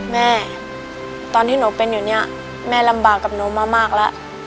แม่ตอนที่หนูเป็นอยู่เนี่ยแม่ลำบากกับหนูมามากแล้ว